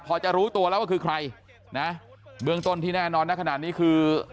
พอจะรู้ตัวแล้วว่าคือใครนะเบื้องต้นที่แน่นอนนะขนาดนี้คือ